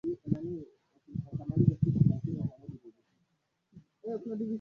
binaadamu wa kawaida Tanzania Albino ni wamoja ni bendi iliyoasisiwa mwaka elfu mbili